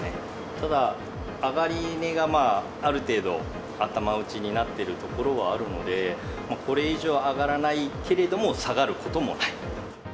ただ、上がり値がある程度、頭打ちになってるところはあるので、これ以上上がらないけれども、下がることもない。